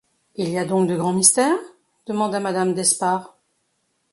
Il y a donc de grands mystères? demanda madame d’Espard.